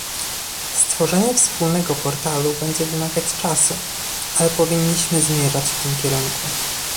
Stworzenie wspólnego portalu będzie wymagać czasu, ale powinniśmy zmierzać w tym kierunku